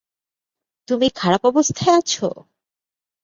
তুমি খারাপ অবস্থায় আছো?